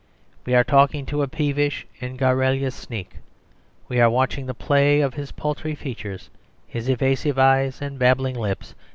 We are talking to a peevish and garrulous sneak; we are watching the play of his paltry features, his evasive eyes, and babbling lips.